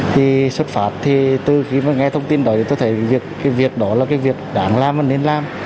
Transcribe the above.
thì xuất phát thì từ khi nghe thông tin đó tôi thấy việc đó là việc đáng làm và nên làm